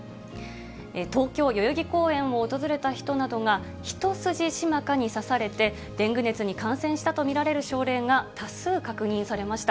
東京・代々木公園を訪れた人などがヒトスジシマカに刺されて、デング熱に感染したと見られる症例が多数確認されました。